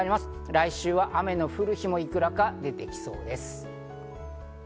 来週は雨の降る日もいくらか出てきそうです。